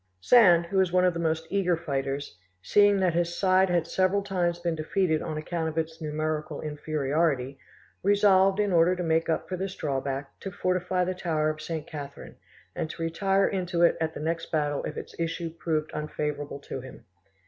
Sand, who was one of the most eager fighters, seeing that his side had several times been defeated on account of its numerical inferiority, resolved, in order to make up for this drawback, to fortify the tower of St. Catherine, and to retire into it at the next battle if its issue proved unfavourable to him.